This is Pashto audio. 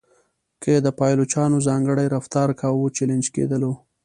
که یې د پایلوچانو ځانګړی رفتار کاوه چلنج کېدلو.